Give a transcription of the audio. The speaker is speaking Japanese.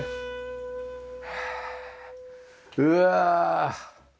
うわ！